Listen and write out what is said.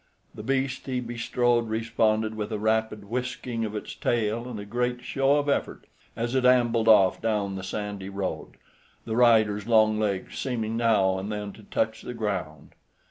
The beast he bestrode responded with a rapid whisking of its tail and a great show of effort, as it ambled off down the sandy road, the rider's long legs seeming now and then to touch the ground.